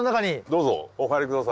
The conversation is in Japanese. どうぞお入り下さい。